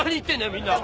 みんな。